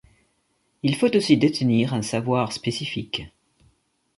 Il faut aussi détenir un savoir spécifique.